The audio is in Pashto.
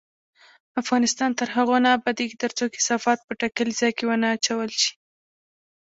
افغانستان تر هغو نه ابادیږي، ترڅو کثافات په ټاکلي ځای کې ونه اچول شي.